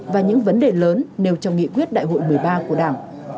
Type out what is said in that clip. và những vấn đề lớn nêu trong nghị quyết đại hội một mươi ba của đảng